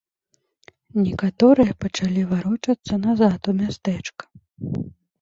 Некаторыя пачалі варочацца назад у мястэчка.